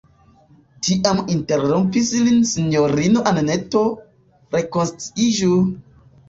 Tiam interrompis lin sinjorino Anneto: rekonsciiĝu!